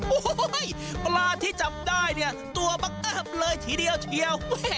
โอ้โหปลาที่จับได้เนี่ยตัวบังเอิบเลยทีเดียวเทียว